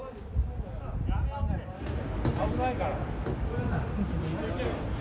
危ないから。